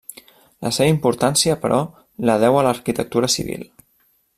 La seva importància, però, la deu a l'arquitectura civil.